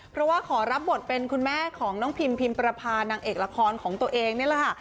เพราะว่าขอรับบทเป็นคุณแม่ของน้องพิมพิมประพานางเอกละครของตัวเองนี่แหละค่ะ